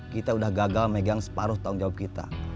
kita udah gagal megang separuh tanggung jawab kita